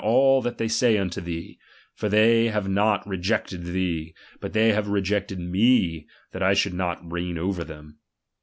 XYl all that they say unto thee ; for they have not re ti,' ^l^'^^, jected (hee, but they have rejected me, that / "Bii«i in iii« should not reign ocer them.